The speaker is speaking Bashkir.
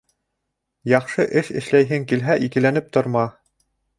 Яҡшы эш эшләйһең килһә, икеләнеп торма.